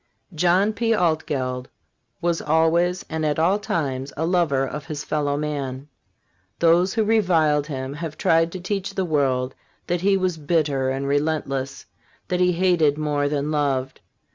John P. Altgeld was always and at all times a lover of his fellow man. Those who reviled him have tried to teach the world that he was bitter and relentless, that he hated more than loved.